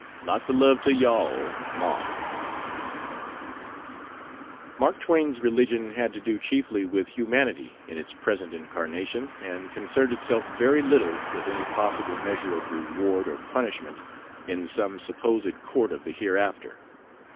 Lots of love to you all. MARK Mark Twain's religion had to do chiefly with humanity in its present incarnation, and concerned itself very little with any possible measure of reward or punishment in some supposed court of the hereafter.